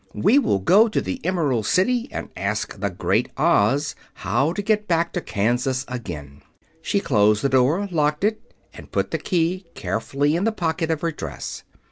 "We will go to the Emerald City and ask the Great Oz how to get back to Kansas again." She closed the door, locked it, and put the key carefully in the pocket of her dress.